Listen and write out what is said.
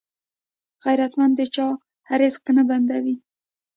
غیرتمند د چا رزق نه بندوي